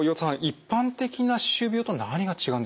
一般的な歯周病と何が違うんでしょうか。